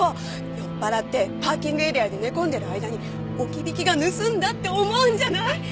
酔っ払ってパーキングエリアで寝込んでる間に置き引きが盗んだって思うんじゃない？